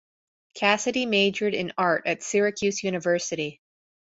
Cassidy majored in art at Syracuse University.